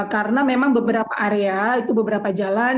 karena memang beberapa area itu beberapa jalan